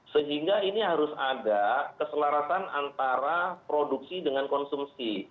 sehingga ini harus ada keselarasan antara produksi dengan konsumsi